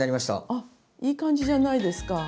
あっいい感じじゃないですか。